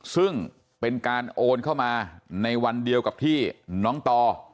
ซึ่งเป็นการโอนเข้ามาในวันเดียวกับที่น้องต่อ